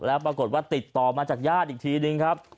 แล้วปรากฏว่าติดต่อมาจากญาติอีกทีนึงครับ